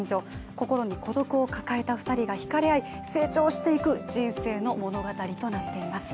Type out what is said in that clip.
心に孤独を抱えた２人がひかれ合い成長していく人生の物語となっています。